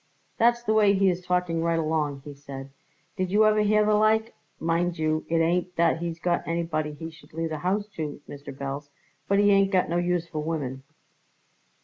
"That's the way he is talking right along," he said. "Did you ever hear the like? Mind you, it ain't that he's got anybody he should leave the house to, Mr. Belz, but he ain't got no use for women."